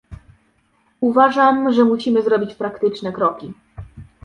Uważam, że musimy zrobić praktyczne kroki